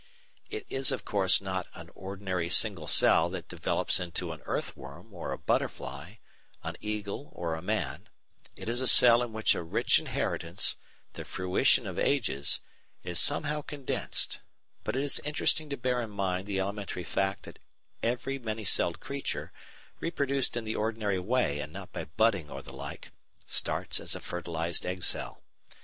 It is, of course, not an ordinary single cell that develops into an earthworm or a butterfly, an eagle, or a man; it is a cell in which a rich inheritance, the fruition of ages, is somehow condensed; but it is interesting to bear in mind the elementary fact that every many celled creature, reproduced in the ordinary way and not by budding or the like, starts as a fertilised egg cell.